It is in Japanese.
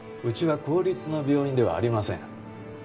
うちは公立の病院ではありません。